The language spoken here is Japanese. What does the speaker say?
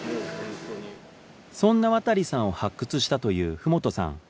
そんな渡さんを発掘したという麓さん